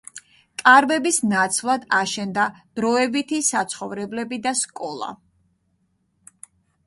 კარვების ნაცვლად აშენდა დროებითი საცხოვრებლები და სკოლა.